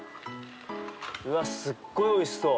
うわすっごいおいしそう。